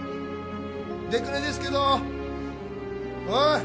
出久根ですけどおい